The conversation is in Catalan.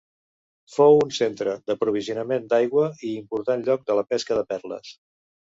Fou un centre d'aprovisionament d'aigua i important lloc de la pesca de perles.